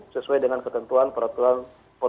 sesuai dengan ketentuan peraturan